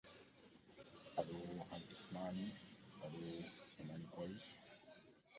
A dance called Burriquite with origins in Venezuela is also performed.